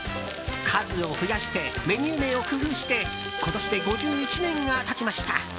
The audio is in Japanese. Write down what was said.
数を増やしてメニュー名を工夫して今年で５１年が経ちました。